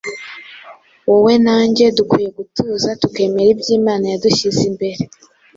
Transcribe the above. Wowe na njye dukwiriye gutuza tukemera ibyo Imana yadushyize imbere.